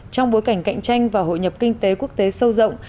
trong bối cảnh cạnh tranh và hội nhập kinh tế quốc tế sâu rộng